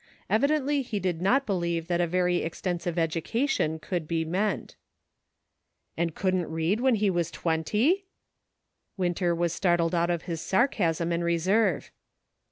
Evidently he did not believe that a very extensive education could be meant. "And couldn't read when he was twenty !" Winter was startled out of his sarcasm and reserve.